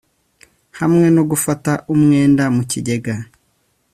hamwe no gufata umwenda mu kigega